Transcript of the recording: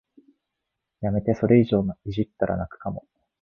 やめて、それ以上いじったら泣くかも